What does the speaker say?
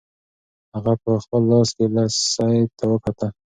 هغه په خپل لاس کې لسی ته وکتل.